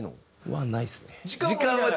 はい。